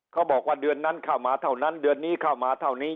เขาบอกว่าเดือนนั้นเข้ามาเท่านั้นเดือนนี้เข้ามาเท่านี้